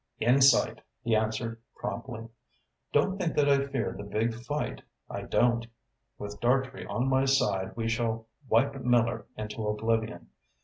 "Insight," he answered promptly. "Don't think that I fear the big fight. I don't. With Dartrey on my side we shall wipe Miller into oblivion.